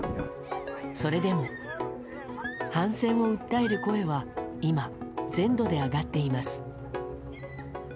それでも反戦を訴える声は、今全土で上がっています。